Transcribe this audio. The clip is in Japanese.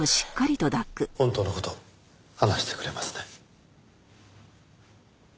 本当の事話してくれますね？